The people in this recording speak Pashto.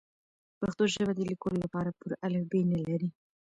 پښتو ژبه د لیکلو لپاره پوره الفبې نلري.